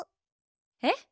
えっ？